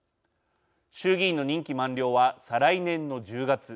衆議院の任期満了は再来年の１０月。